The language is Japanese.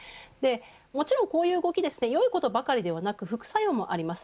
もちろん、こういう動きよいことばかりではなく副作用もあります。